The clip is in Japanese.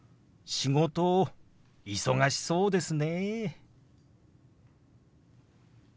「仕事忙しそうですね」。